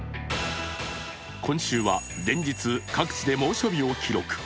今週は連日各地で猛暑日を記録。